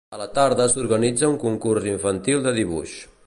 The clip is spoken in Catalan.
A la tarda s'organitza un concurs infantil de dibuix.